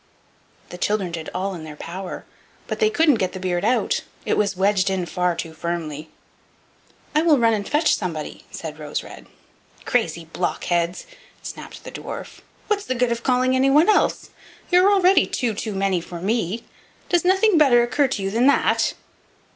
The children did all in their power, but they couldn't get the beard out; it was wedged in far too firmly. "I will run and fetch somebody," said Rose red. "Crazy blockheads!" snapped the dwarf; "what's the good of calling anyone else? You're already two too many for me. Does nothing better occur to you than that?"